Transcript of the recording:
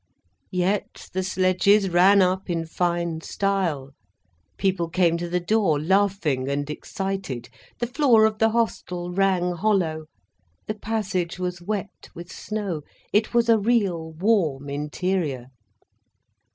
Yet the sledges ran up in fine style, people came to the door laughing and excited, the floor of the hostel rang hollow, the passage was wet with snow, it was a real, warm interior.